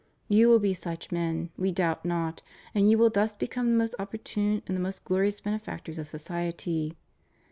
You will be such men, We doubt not, and you will thus become the most opportune and the most glorious benefactors of society.